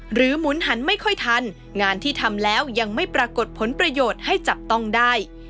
หมุนหันไม่ค่อยทันงานที่ทำแล้วยังไม่ปรากฏผลประโยชน์ให้จับต้องได้